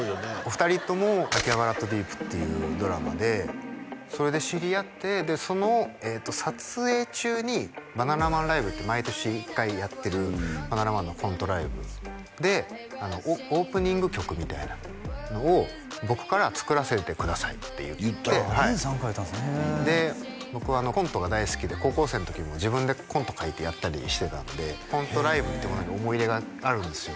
２人とも「アキハバラ＠ＤＥＥＰ」っていうドラマでそれで知り合ってでその撮影中にｂａｎａｎａｍａｎｌｉｖｅって毎年１回やってるバナナマンのコントライブでオープニング曲みたいなのを僕から作らせてくださいって言ってで僕コントが大好きで高校生の時も自分でコント書いてやったりしてたんでコントライブってものに思い入れがあるんですよ